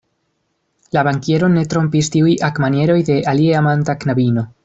La bankieron ne trompis tiuj agmanieroj de alieamanta knabino.